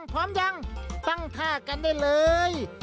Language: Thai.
พร้อมยังตั้งท่ากันได้เลย